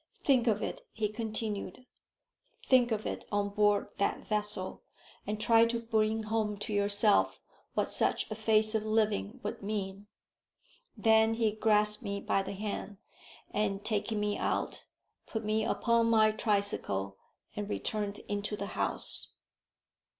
"Think of it," he continued; "think of it on board that vessel, and try to bring home to yourself what such a phase of living would mean." Then he grasped me by the hand, and taking me out, put me upon my tricycle, and returned into the house.